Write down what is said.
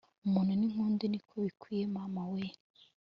umuntu ni nk'undi ni ko bikwiye, mama we